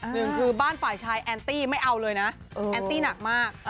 หนึ่งคือบ้านฝ่ายชายแอนตี้ไม่เอาเลยนะแอนตี้หนักมาก